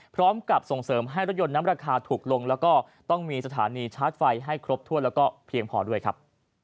พร้อมกับส่งเสริมให้รถยนต์นั้นราคาถูกลงแล้วก็ต้องมีสถานีชาร์จไฟให้ครบถ้วนแล้วก็เพียงพอด้วยครับ